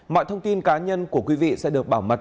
mọi thông tin cá nhân của quý vị sẽ được bảo mật